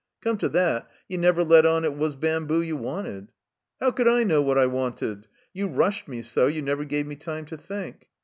"Come to that, you never let on it was bamboo you wanted." ''How could I know what I wanted? You rushed me so, you never gave me time to think."